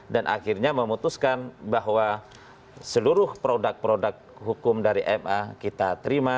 dan akhirnya memutuskan bahwa seluruh produk produk hukum dari ma kita terima